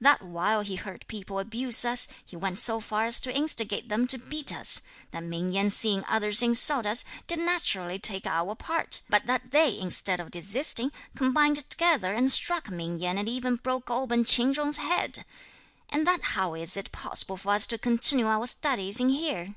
That while he heard people abuse us, he went so far as to instigate them to beat us; that Ming Yen seeing others insult us, did naturally take our part; but that they, instead (of desisting,) combined together and struck Ming Yen and even broke open Ch'in Chung's head. And that how is it possible for us to continue our studies in here?"